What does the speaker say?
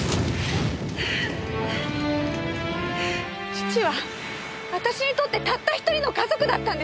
父は私にとってたった一人の家族だったんです。